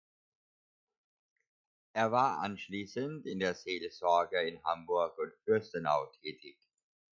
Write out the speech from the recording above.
Er war anschließend in der Seelsorge in Hamburg und Fürstenau tätig.